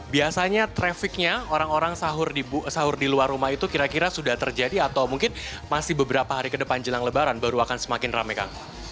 biasanya trafficnya orang orang sahur di luar rumah itu kira kira sudah terjadi atau mungkin masih beberapa hari ke depan jelang lebaran baru akan semakin rame kang